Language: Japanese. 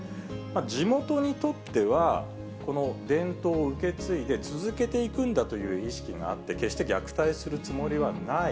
地元にとっては、この伝統を受け継いで続けていくんだという意識があって、決して虐待するつもりはない。